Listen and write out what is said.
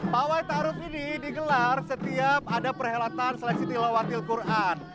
pak wai ta aruf ini digelar setiap ada perhelatan seleksi tilawatil quran